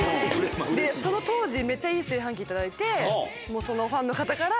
その当時めちゃいい炊飯器頂いてそのファンの方から。